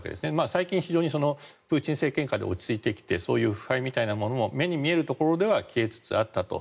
最近、非常にプーチン政権下で落ち着いてきてそういう腐敗みたいなものも目に見えるところでは消えつつあったと。